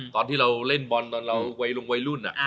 ตอนที่เราเล่นบอลตอนเราวัยลงวัยรุ่น